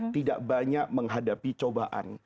tidak banyak menghadapi cobaan